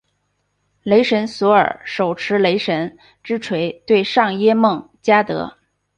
雷神索尔手持雷神之锤对上耶梦加得。